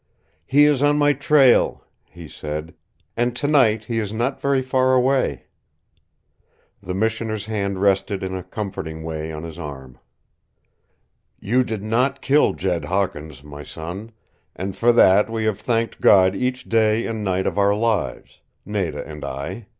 "He is on my trail," he said, "and tonight he is not very far away." The Missioner's hand rested in a comforting way on his arm. "You did not kill Jed Hawkins, my son, and for that we have thanked God each day and night of our lives Nada and I.